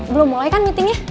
belum mulai kan meetingnya